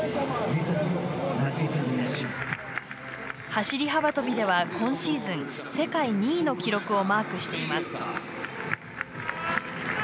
走り幅跳びでは今シーズン世界２位の記録をマークしています。